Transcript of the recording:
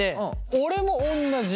俺もおんなじ。